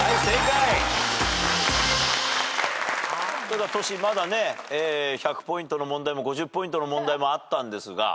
ただトシまだね１００ポイントの問題も５０ポイントの問題もあったんですが。